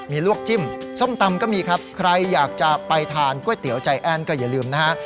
มีลวกจิ้มส้มตำก็มีครับใครอยากจะไปทานก๋วยเตี๋ยวใจแอ้นก็อย่าลืมนะฮะ